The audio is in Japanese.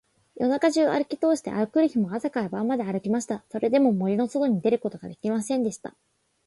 夜中じゅうあるきとおして、あくる日も朝から晩まであるきました。それでも、森のそとに出ることができませんでした。